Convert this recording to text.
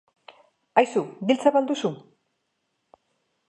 Aizu, giltza ba al duzu?